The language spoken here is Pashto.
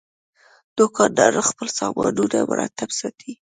دوکاندار خپل سامانونه مرتب ساتي.